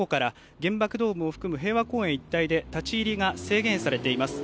原爆ドームを含む平和公園一帯で立ち入りが制限されています。